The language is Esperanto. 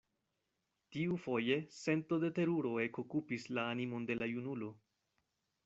Tiufoje sento de teruro ekokupis la animon de la junulo.